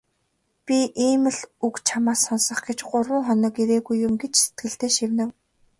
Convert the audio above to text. "Би ийм л үг чамаасаа сонсох гэж гурав хоног ирээгүй юм" гэж сэтгэлдээ шивнэв.